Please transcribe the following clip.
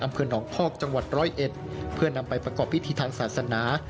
อำเภอหนองพอกจังหวัดร้อยเอ็ดเพื่อนำไปประกอบพิธีทางศาสนา